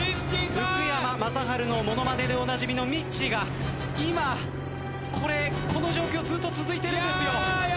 福山雅治の物まねでおなじみのみっちーが今この状況ずっと続いてるんですよ。